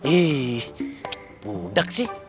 ih mudak sih